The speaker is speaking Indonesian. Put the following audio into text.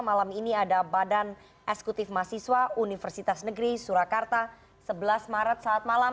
malam ini ada badan eksekutif mahasiswa universitas negeri surakarta sebelas maret saat malam